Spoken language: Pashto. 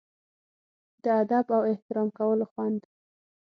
د ادب او احترام کولو خوند.